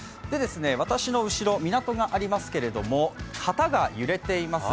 私の後ろ、港がありますけど旗が揺れています。